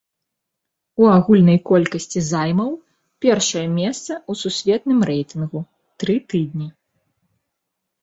У агульнай колькасці займаў першае месца ў сусветным рэйтынгу тры тыдні.